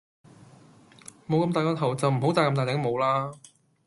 冇咁大個頭就唔好帶咁大頂帽啦